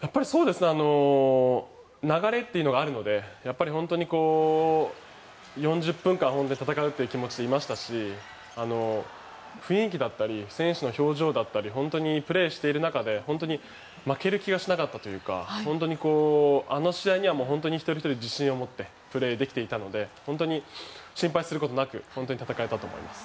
流れっていうのがあるので４０分間、本当に戦うという気持ちでいましたし雰囲気だったり選手の表情だったり本当にプレーしている中で負ける気がしなかったというかあの試合には、一人ひとり自信を持ってプレーで来ていたので本当に心配することなく戦えたと思います。